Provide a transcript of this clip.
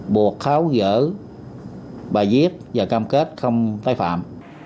buộc kháo gỡ bà diếp và cam kết không tái phạm